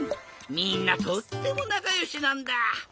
みんなとってもなかよしなんだ。